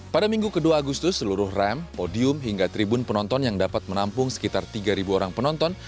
pada minggu ke dua agustus seluruh rem podium hingga tribun penonton yang dapat menampung sekitar tiga orang penonton